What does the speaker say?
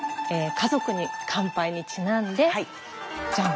「家族に乾杯」にちなんでじゃん！